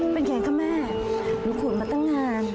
เป็นไงคะแม่หนูขุนมาตั้งนาน